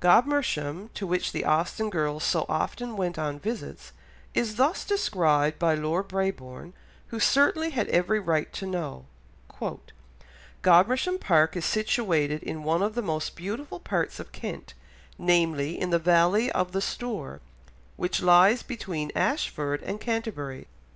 Godmersham, to which the Austen girls so often went on visits, is thus described by Lord Brabourne, who certainly had every right to know— "Godmersham Park is situated in one of the most beautiful parts of Kent, namely, in the valley of the Stour, which lies between Ashford and Canterbury.